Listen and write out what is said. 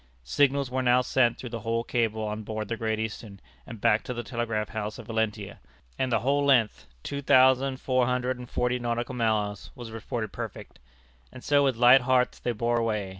Signals were now sent through the whole cable on board the Great Eastern and back to the telegraph house at Valentia, and the whole length, two thousand four hundred and forty nautical miles, was reported perfect. And so with light hearts they bore away.